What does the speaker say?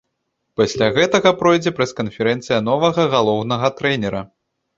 Пасля гэтага пройдзе прэс-канферэнцыя новага галоўнага трэнера.